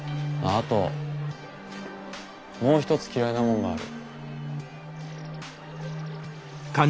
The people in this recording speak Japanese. あともう一つ嫌いなもんがある。